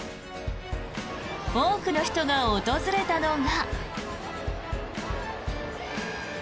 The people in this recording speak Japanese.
多くの人が訪れたのが。